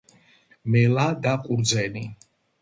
მელა და ყურძენი